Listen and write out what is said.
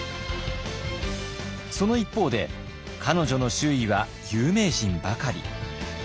その一方で彼女の周囲は有名人ばかり。